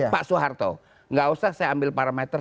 pak soeharto nggak usah saya ambil parameter